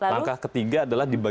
langkah ketiga adalah